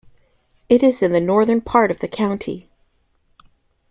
It is in the northern part of the county.